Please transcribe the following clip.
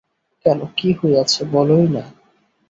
কেন, কী হইয়াছে, বলোই না।